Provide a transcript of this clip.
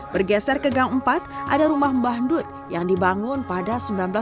bergeser ke gang empat ada rumah mbah nut yang dibangun pada seribu sembilan ratus sembilan puluh